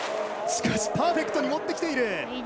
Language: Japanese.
しかしパーフェクトに持ってきている！